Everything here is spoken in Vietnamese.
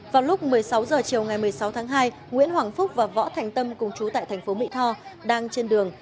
vào lúc một mươi sáu h chiều ngày một mươi sáu tháng hai nguyễn hoàng phúc và võ thành tâm cùng chú tại thành phố mỹ tho đang trên đường